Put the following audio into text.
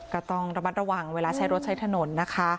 ก็ต้องระมัดระวังเวลาใช้รถใช้ถนนนะคะ